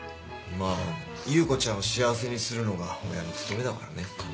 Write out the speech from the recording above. まぁ優子ちゃんを幸せにするのが親の務めだからね。